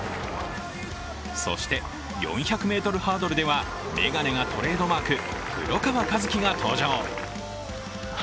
そして、４００ｍハードルでは眼鏡がトレードマーク、黒川和樹が登場。